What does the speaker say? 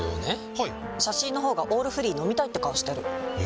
はい写真の方が「オールフリー」飲みたいって顔してるえ？